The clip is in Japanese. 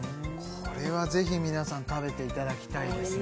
これはぜひ皆さん食べていただきたいですね